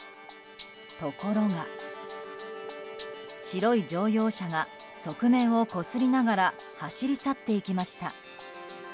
ところが、白い乗用車が側面をこすりながら走り去っていきました。